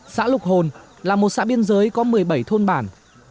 xã lục hồn là một xã biên giới có một mươi bảy thôn bản